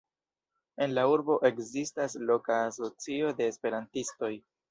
En la urbo ekzistas loka asocio de esperantistoj.